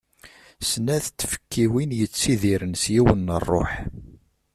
Snat n tfekkiwin yettidiren s yiwen n rruḥ.